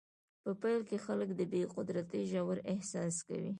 په پیل کې خلک د بې قدرتۍ ژور احساس کوي.